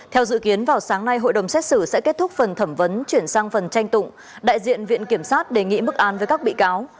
theo dự kiến vào sáng nay hội đồng xét xử sẽ kết thúc phần thẩm vấn chuyển sang phần tranh tụng đại diện viện kiểm sát đề nghị mức án với các bị cáo